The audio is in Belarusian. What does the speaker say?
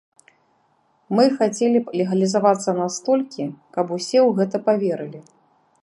Мы хацелі б легалізавацца настолькі, каб усе ў гэта паверылі.